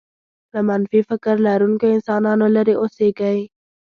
له منفي فکر لرونکو انسانانو لرې اوسېږئ.